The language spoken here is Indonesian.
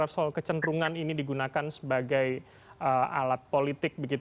adanya kekhawatiran soal kecenderungan ini digunakan sebagai alat politik begitu